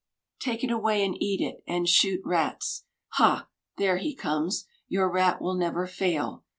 iZ7i Take it away and eat it, and shoot rats. Hal there he comes. Your rat will never fail.